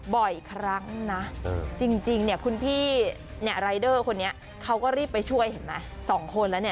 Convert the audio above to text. บ่อยครั้งนะจริงเนี่ยคุณพี่เนี่ยรายเดอร์คนนี้เขาก็รีบไปช่วยเห็นไหม๒คนแล้วเนี่ย